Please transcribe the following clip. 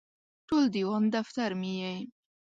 ټول دیوان دفتر مې یې